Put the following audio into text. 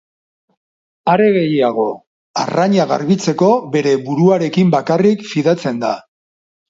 Are gehiago, arraina garbitzeko, bere buruarekin bakarrik fidatzen da.